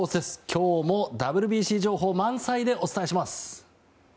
今日もＷＢＣ情報満載でお伝えします。